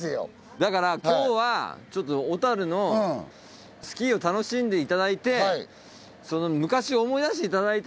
だから今日は小樽のスキーを楽しんでいただいて昔を思い出していただいて。